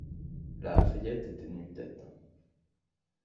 La Fayette était nu tête.